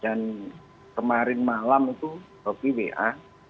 dan kemarin malam itu hoki wa